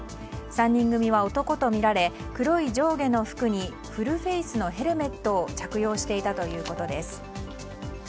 ３人組は男とみられ黒い上下の服にフルフェースのヘルメットを着用していたということです。